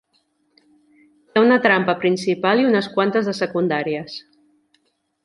Hi ha una trama principal i unes quantes de secundàries.